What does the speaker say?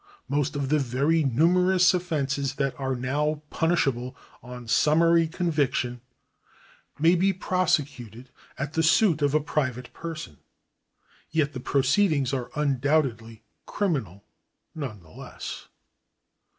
Most of the very numerous offences that are now punishable on summary conviction may be prosecuted at the suit of a private person ; yet the proceedings are undoubtedly criminal none the less.